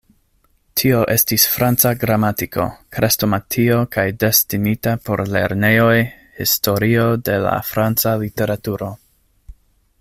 Tio estis franca gramatiko, krestomatio kaj destinita por lernejoj historio de la franca literaturo.